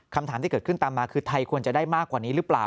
คำถามที่เกิดขึ้นตามมาคือไทยควรจะได้มากกว่านี้หรือเปล่า